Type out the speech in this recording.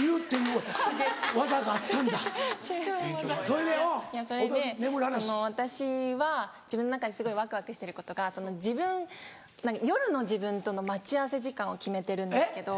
それで私は自分の中ですごいワクワクしてることが夜の自分との待ち合わせ時間を決めてるんですけど。